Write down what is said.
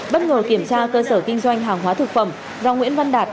bất ngờ kiểm tra cơ sở kinh doanh hàng hóa thực phẩm do nguyễn văn đạt